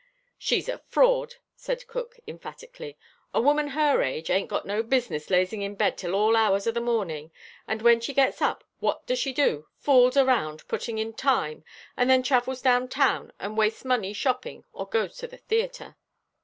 "She's a fraud," said cook emphatically. "A woman her age ain't got no business lazing in bed till all hours of the morning, and when she gets up, what does she do? Fools round, putting in time, and then travels down town and wastes money shopping, or goes to the theatre."